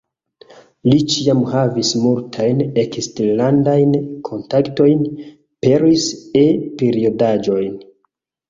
Li ĉiam havis multajn eksterlandajn kontaktojn, peris E-periodaĝojn.